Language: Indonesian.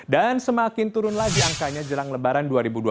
dan semakin turun lagi angkanya jelang lebaran dua ribu dua puluh satu